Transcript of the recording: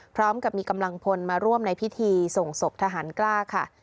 พร้อมกับมีกำลังพลมาร่วมในพิธีส่งศพทหารกล้าค่ะ